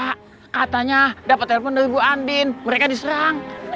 katanya dapet telepon dari mbak andin mereka diserang